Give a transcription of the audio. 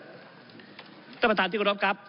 ก็ได้มีการอภิปรายในภาคของท่านประธานที่กรกครับ